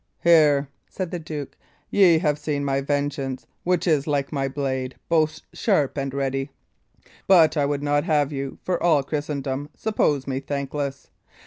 "Here," said the duke, "ye have seen my vengeance, which is, like my blade, both sharp and ready. But I would not have you, for all Christendom, suppose me thankless.